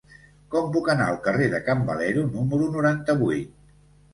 Com puc anar al carrer de Can Valero número noranta-vuit?